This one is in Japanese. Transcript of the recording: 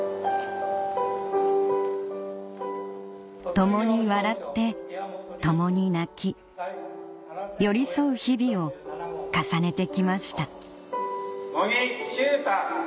共に笑って共に泣き寄り添う日々を重ねてきました